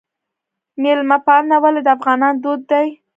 میلمه پالنه ولې د افغانانو دود دی؟